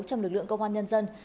trong lực lượng công an nhân dân